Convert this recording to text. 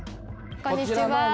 こんにちは。